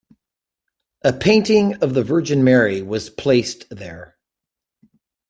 A painting of the Virgin Mary was placed there.